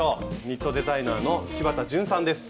ニットデザイナーの柴田淳さんです。